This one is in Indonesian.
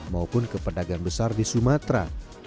maupun ke pedagang besar di sumatera